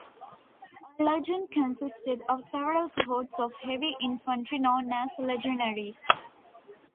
A legion consisted of several cohorts of heavy infantry known as legionaries.